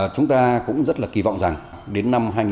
chúng ta cũng rất là kỳ vọng rằng đến năm hai nghìn bốn mươi năm